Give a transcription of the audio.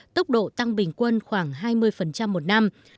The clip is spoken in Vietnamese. tốc độ tăng bình quân khoảng hai mươi một năm